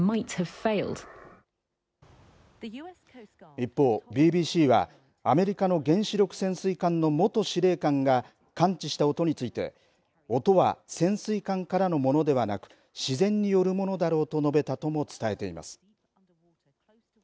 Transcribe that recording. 一方、ＢＢＣはアメリカの原子力潜水艦の元司令官が感知した音について音は潜水艦からのものではなく自然によるものだろうと述べたとも伝えています。